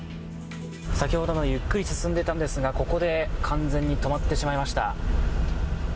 先ほどまでゆっくり進んでたんですがここで完全に止まってしまいました。